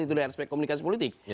itu dari aspek komunikasi politik